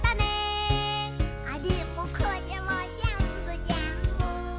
「あれもこれもぜんぶぜんぶ」